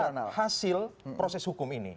dan mereka akan melihat hasil proses hukum ini